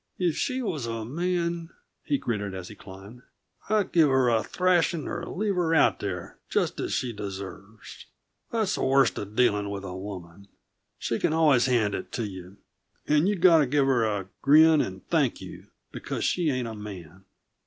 "If she was a man," he gritted as he climbed, "I'd give her a thrashing or leave her out there, just as she deserves. That's the worst of dealing with a woman she can always hand it to you, and you've got to give her a grin and thank you, because she ain't a man."